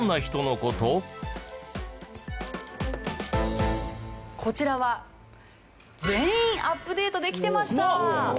こちらは全員アップデートできてました！